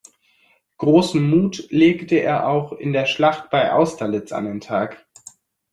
Großen Mut legte er auch in der Schlacht bei Austerlitz an den Tag.